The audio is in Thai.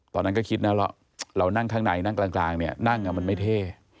ตอนนั้นก็คิดนะเรานั่งข้างในนั่งกลางเนี่ยนั่งมันไม่เท่